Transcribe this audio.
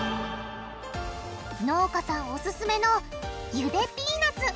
農家さんオススメのゆでピーナツ。